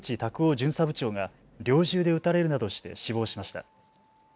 巡査部長が猟銃で撃たれるなどして死亡しました。